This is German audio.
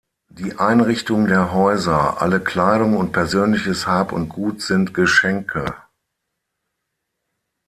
Die Einrichtung der Häuser, alle Kleidung und persönliches Hab und Gut sind Geschenke.